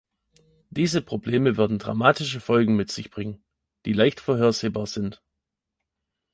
Diese Probleme werden dramatische Folgen mit sich bringen, die leicht vorhersehbar sind.